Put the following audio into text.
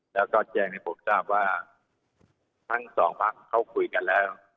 แล้วก็แจ้งให้ผมทราบว่าทั้งสองพักเขาคุยกันแล้ว